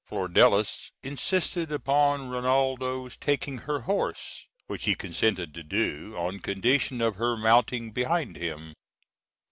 Flordelis insisted upon Rinaldo's taking her horse, which he consented to do, on condition of her mounting behind him.